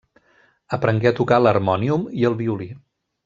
Aprengué a tocar l'harmònium i el violí.